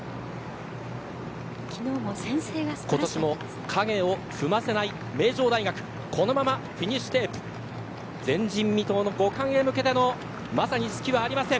今年も影を踏ませない名城大学このままフィニッシュテープ前人未到の５冠へ向けてのまさに隙はありません。